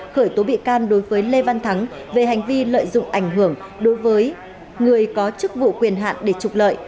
khởi tố bị can đối với lê văn thắng về hành vi lợi dụng ảnh hưởng đối với người có chức vụ quyền hạn để trục lợi